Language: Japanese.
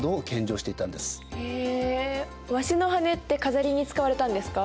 へえワシの羽根って飾りに使われたんですか？